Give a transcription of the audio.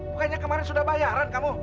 bukannya kemarin sudah bayaran kamu